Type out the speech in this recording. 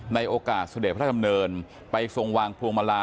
ในโอกาสเสด็จพระดำเนินไปทรงวางพวงมาลา